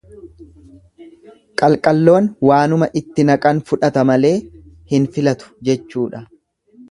Qalqalloon waanuma itti naqan fudhata malee hin filatu jechuudha.